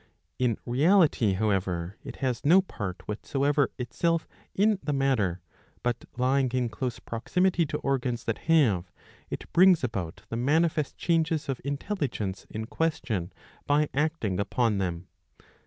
In reality however it has no part whatsoever itself in the matter, but, lying in close proximity to organs that have, it brings about the manifest changes of intelligence in question by acting upon them.